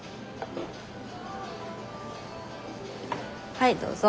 はいどうぞ。